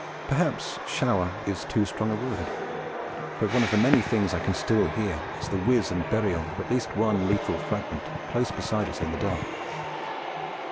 Perhaps 'shower' is too strong a word; but one of the many things I can still hear is the whizz and burial of at least one lethal fragment close beside us in the dark.